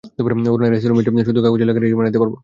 ওনারা এসি রুমে বসে, শুধু কাগজে লেখালেখিই মারাইতে পারবো।